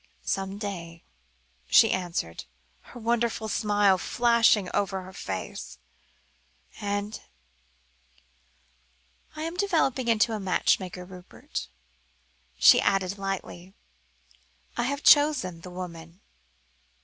"Some day," she answered, her wonderful smile flashing over her face; "and I am developing into a matchmaker, Rupert," she added lightly. "I have even chosen the woman.